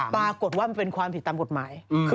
ปรากฏว่ามันเป็นความผิดตามกฎหมาย